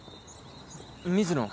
水野